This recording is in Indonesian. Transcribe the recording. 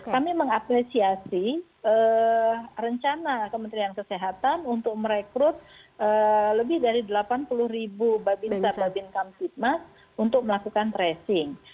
kami mengapresiasi rencana kementerian kesehatan untuk merekrut lebih dari delapan puluh ribu babinsa babinkam fitmas untuk melakukan tracing